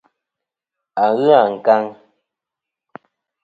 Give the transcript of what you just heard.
A ghɨ ankaŋ.